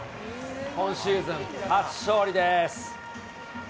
今シーズン初勝利です。